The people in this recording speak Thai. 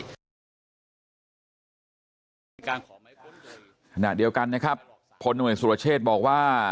ขณะเดียวกันนะครับพลหน่วยสุรเชษบอกว่า